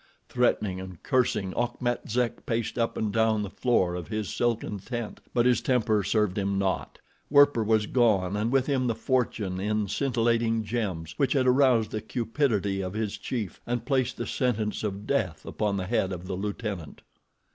Threatening and cursing, Achmet Zek paced up and down the floor of his silken tent; but his temper served him naught—Werper was gone and with him the fortune in scintillating gems which had aroused the cupidity of his chief and placed the sentence of death upon the head of the lieutenant.